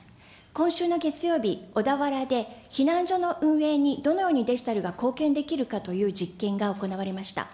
今週の月曜日、小田原で避難所の運営にどのようにデジタルが貢献できるかという実験が行われました。